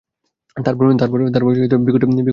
তার পরেই বিকট এক আর্তনাদ।